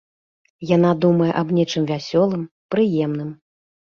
Яна думае аб нечым вясёлым, прыемным.